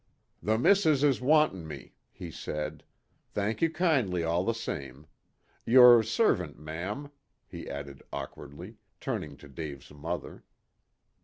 "The missus is wantin' me," he said. "Thank you kindly all the same. Your servant, mam," he added awkwardly, turning to Dave's mother.